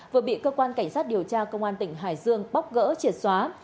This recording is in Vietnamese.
vừa bị cơ quan cảnh sát điều tra công an tỉnh hải dương bóc gỡ triệt xóa